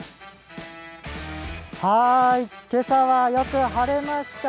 今朝はよく晴れました。